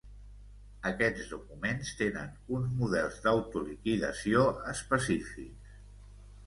Aquests documents tenen uns models d'autoliquidació específics.